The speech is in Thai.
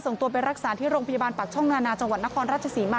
ส่งตัวไปรักษาที่โรงพยาบาลปากช่องนานาจังหวัดนครราชศรีมา